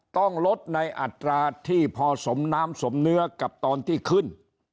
ต้องลดในอัตราที่พอสมน้ำสมเนื้อกับตอนที่ขึ้น